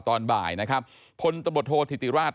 ก่อนบ่ายนะครับพลตโทษธิติราช